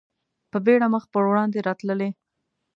په بېړه مخ په وړاندې راتللې.